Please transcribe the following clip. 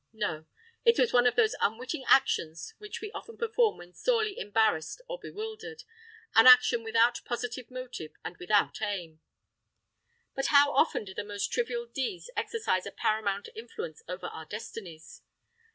No:—it was one of those unwitting actions which we often perform when sorely embarrassed or bewildered,—an action without positive motive and without aim. But how often do the most trivial deeds exercise a paramount influence over our destinies!